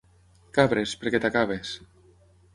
Cabres, perquè t'acabis.